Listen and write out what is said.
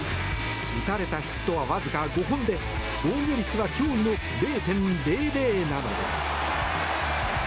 打たれたヒットはわずか５本で防御率は驚異の０．００なのです。